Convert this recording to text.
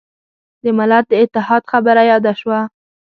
د ملت د اتحاد خبره یاده شوه.